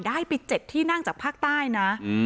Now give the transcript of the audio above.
ได้ไป๗ที่นั่งจากภาคใต้นะ